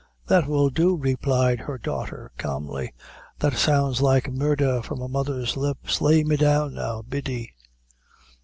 "That will do," replied her daughter, calmly; "that sounds like murdher from a mother's lips! Lay me down now, Biddy."